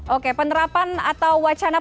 oke penerapan atau wacana